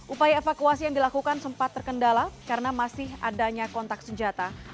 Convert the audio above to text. upaya evakuasi yang dilakukan sempat terkendala karena masih adanya kontak senjata